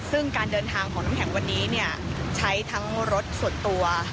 ซึ่งการเดินทางของน้ำแข็งวันนี้ใช้ทั้งรถส่วนตัว